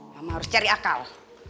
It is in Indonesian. mama harus cari akal